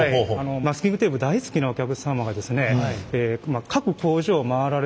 マスキングテープ大好きなお客様がですね